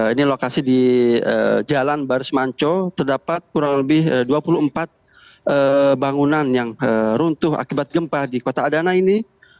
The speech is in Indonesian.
ini lokasi di jalan baris manco terdapat kurang lebih dua puluh empat bangunan yang runtuh akibat gempa di kota adana ini